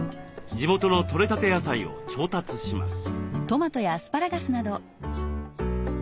地元の取れたて野菜を調達します。